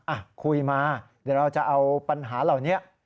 อ่ะคุยมาเดี๋ยวเราจะเอาปัญหาเหล่านี้